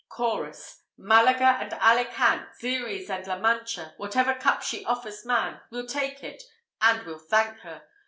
CHORUS. Malaga and Alicant, Xeres and La Mancha! Whatever cup she offers man, We'll take it, and we'll thank her!